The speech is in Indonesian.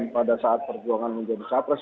pada saat perjuangan menjadi capres